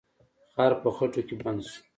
خر په خټو کې بند شو.